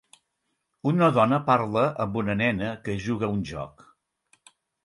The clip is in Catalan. Una dona parla amb una nena que juga a un joc.